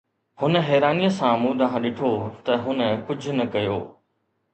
هن حيرانيءَ سان مون ڏانهن ڏٺو ته هن ڪجهه نه ڪيو